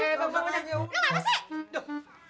eh lu apa sih